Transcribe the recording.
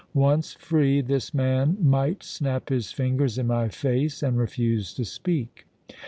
Once free, this man might snap his fingers in my face and refuse to speak.